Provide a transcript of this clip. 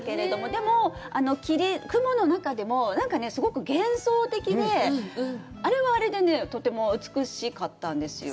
でも、霧、雲の中でも、すごく幻想的で、あれはあれで、とても美しかったんですよ。